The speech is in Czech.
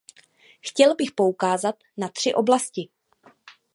Chtěl bych poukázat na tři oblasti.